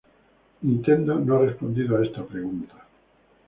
Nintendo no ha respondido a esta pregunta.